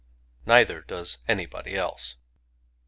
Neither does anybody else.